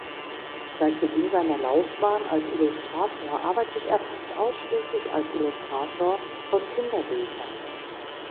Seit Beginn seiner Laufbahn als Illustrator arbeitet er fast ausschließlich als Illustrator von Kinderbüchern.